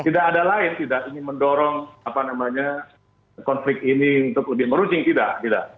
tidak ada lain tidak ingin mendorong konflik ini untuk lebih merucing tidak